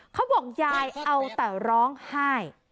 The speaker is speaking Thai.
เขาบอกยายเอาแต่ร้องไห้